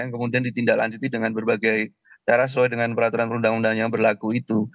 yang kemudian ditindaklanjuti dengan berbagai cara sesuai dengan peraturan perundang undang yang berlaku itu